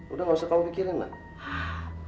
udah gak usah kamu pikirin nggak